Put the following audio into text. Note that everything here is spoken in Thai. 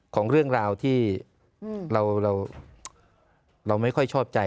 ของเรื่องราวที่เราไม่ค่อยชอบใจ